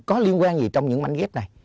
có liên quan gì trong những mảnh ghép này